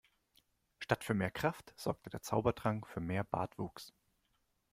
Statt für mehr Kraft sorgte der Zaubertrank für mehr Bartwuchs.